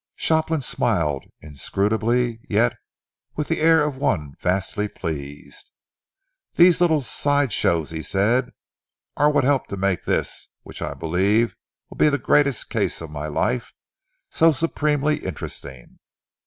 Shopland smiled, inscrutably yet with the air of one vastly pleased. "These little side shows," he said, "are what help to make this, which I believe will be the greatest case of my life, so supremely interesting.